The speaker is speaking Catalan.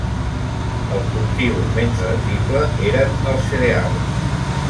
El cultiu menys rendible eren els cereals.